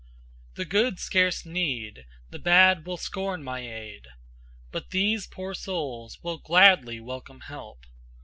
The good scarce need, the bad will scorn, my aid; But these poor souls will gladly welcome help.